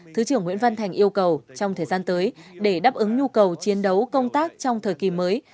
thứ trưởng nguyễn văn thành yêu cầu trong thời gian tới để đáp ứng nhu cầu chiến đấu công tác trong thời kỳ mới